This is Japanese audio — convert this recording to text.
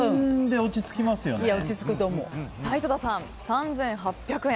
井戸田さん、３８００円。